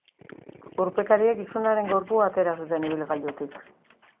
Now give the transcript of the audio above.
Urpekariek gizonaren gorpua atera zuten ibilgailutik.